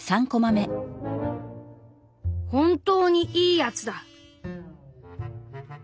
「本当に『いいやつ』だ」。